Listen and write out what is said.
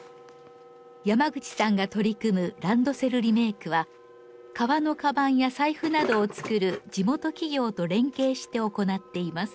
山口さんが取り組むランドセルリメークは革のカバンや財布などを作る地元企業と連携して行っています。